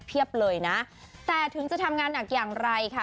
เพียบเลยนะแต่ถึงจะทำงานหนักอย่างไรค่ะ